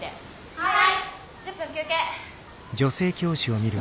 はい。